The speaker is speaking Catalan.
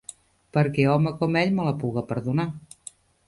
Perquè home com ell me la puga perdonar.